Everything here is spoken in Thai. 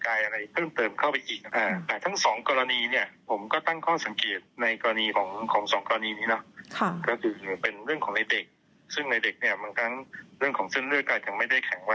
การเกิดอาการอะไรบางอย่างก็จะเกิดขึ้นในเด็กได้